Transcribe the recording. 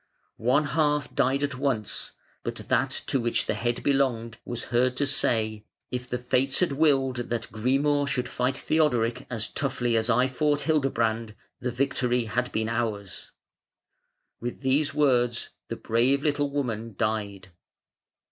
One half died at once, but that to which the head belonged was heard to say: "If the Fates had willed that Grimur should fight Theodoric as toughly as I fought Hildebrand, the victory had been ours". With these words the brave little woman died.